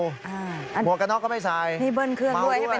หมวกระนอกก็ไม่ใสมีเบิ้ลเพื่อนด้วยมีเบิ้ลขึ้นด้วย